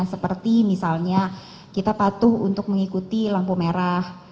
seperti misalnya kita patuh untuk mengikuti lampu merah